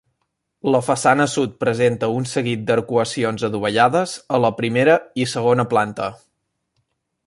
La façana sud presenta un seguit d'arcuacions adovellades a la primera i segona planta.